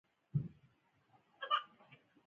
آیا طبیعي درملنه په ایران کې دود نه ده؟